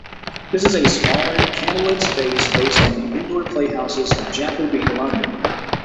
This is a smaller, candle-lit space based on the indoor playhouses of Jacobean London.